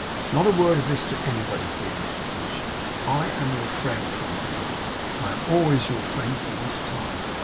Not a word of this to anybody. Dear Mr Pinch, I am your friend from tonight. I am always your friend from this time.